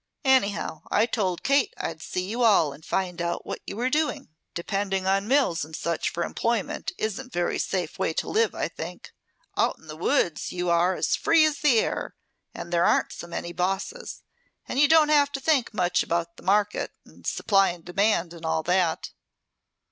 Anyhow, I told Kate I'd see you all and find out what you were doing. "Depending on mills and such for employment isn't any very safe way to live, I think. Out in the woods you are as free as air, and there aren't so many bosses, and you don't have to think much about 'the market' and 'supply and demand,' and all that."